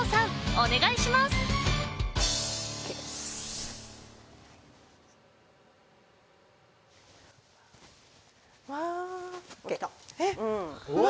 お願いしますうわ